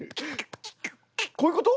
こういうこと？